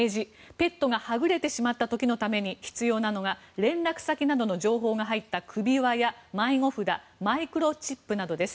ペットがはぐれてしまった時のために必要なのが連絡先などの情報が入った首輪や迷子札マイクロチップなどです。